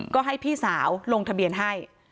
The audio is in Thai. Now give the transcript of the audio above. ก็ให้พี่สาวลงทะเบียนให้